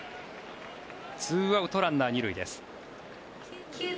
２アウト、ランナー２塁です。